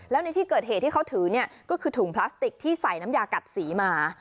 แล้วในที่เกิดเหตุที่เขาถือเนี่ยก็คือถุงพลาสติกที่ใส่น้ำยากัดสีมา